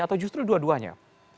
atau justru dua duanya